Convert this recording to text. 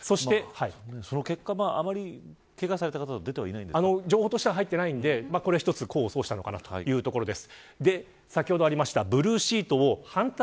その結果、あまりけがされた方も情報としては出ていないので功を奏したのかなというところです。